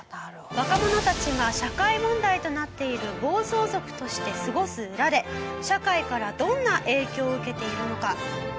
若者たちが社会問題となっている暴走族として過ごす裏で社会からどんな影響を受けているのか？